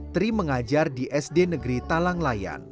tri mengajar di sd negeri talang layan